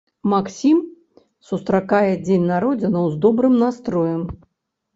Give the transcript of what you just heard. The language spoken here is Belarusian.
Максім сустракае дзень народзінаў з добрым настроем.